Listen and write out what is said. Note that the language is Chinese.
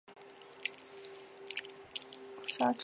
鲨齿龙科是群大型肉食性兽脚亚目恐龙。